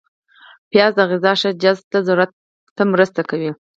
پیاز د غذا ښه جذب ته مرسته کوي